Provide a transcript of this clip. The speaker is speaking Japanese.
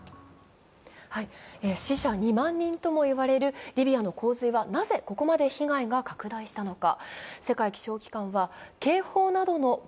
死者２万人ともいわれるリビアの洪水はなぜここまで被害が拡大したのか。